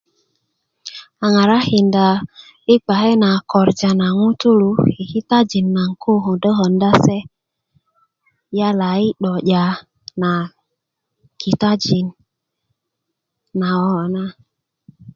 a ŋarakinda i kpake na korja na ŋutulu i kitajin naŋ koo ködö konda se yala i 'do'ya na kitajin na kokona